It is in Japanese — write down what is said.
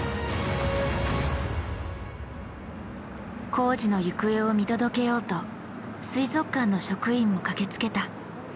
工事の行方を見届けようと水族館の職員も駆けつけた。